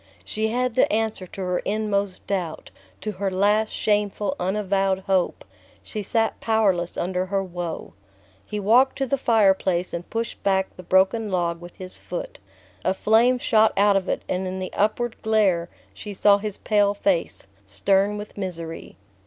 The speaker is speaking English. She had the answer to her inmost doubt to her last shameful unavowed hope. She sat powerless under her woe. He walked to the fireplace and pushed back the broken log with his foot. A flame shot out of it, and in the upward glare she saw his pale face, stern with misery.